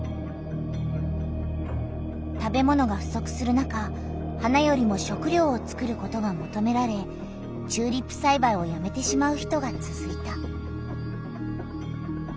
食べ物がふそくする中花よりも食りょうをつくることがもとめられチューリップさいばいをやめてしまう人がつづいた。